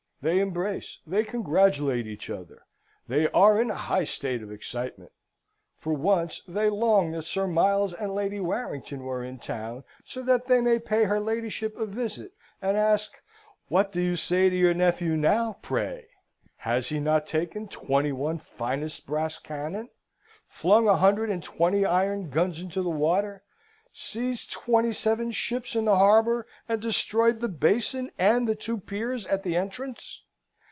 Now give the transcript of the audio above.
They embrace; they congratulate each other; they are in a high state of excitement. For once, they long that Sir Miles and Lady Warrington were in town, so that they might pay her ladyship a visit, and ask, "What do you say to your nephew now, pray? Has he not taken twenty one finest brass cannon; flung a hundred and twenty iron guns into the water, seized twenty seven ships in the harbour, and destroyed the basin and the two piers at the entrance?"